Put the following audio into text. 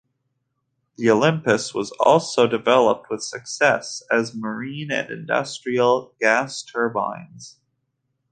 The Olympus was also developed with success as marine and industrial gas turbines.